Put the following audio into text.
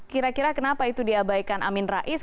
kira kira kenapa itu diabaikan amin rais